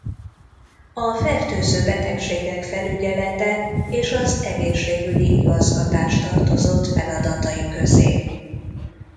A fertőző betegségek felügyelete és az egészségügyi igazgatás tartozott feladatai közé.